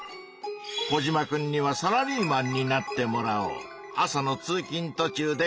コジマくんにはサラリーマンになってもらおう。